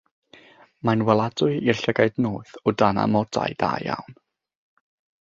Mae'n weladwy i'r llygad noeth o dan amodau da iawn.